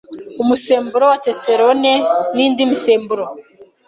umusemburo wa testosterone n’indi misemburo